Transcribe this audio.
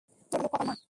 তোর খুব ভালো কপাল, মা।